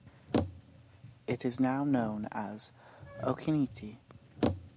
It is now known as ookinete.